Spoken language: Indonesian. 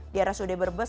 di arah sudai berbes